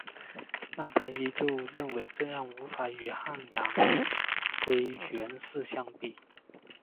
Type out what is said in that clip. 但她依旧认为这样还是无法与汉阳归元寺相比。